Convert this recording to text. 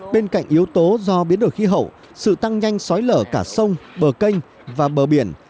bên cạnh yếu tố do biến đổi khí hậu sự tăng nhanh xói lở cả sông bờ canh và bờ biển